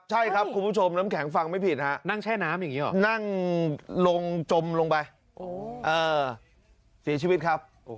ใช่ครับคุณผู้ชมน้ำแข็งฟังไม่ผิดครับนั่งลงจมลงไปสีชีวิตครับ